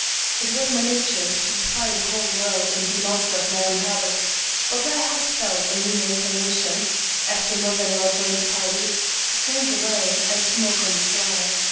It was my nature to defy the whole world and be master of my own habits, but I had felt a mean inclination, after mother in law joined the party, to slink away and smoke on the sly.